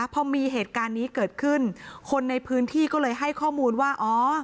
พอมีเหตุการณ์นี้เกิดขึ้นคนในพื้นที่ก็เลยให้ข้อมูลว่าอ๋อ